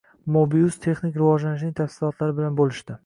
Mobiuz texnik rivojlanishning tafsilotlari bilan bo‘lishdi